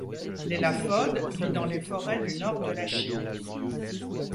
L'élaphode vit dans les forêts du Nord de la Chine.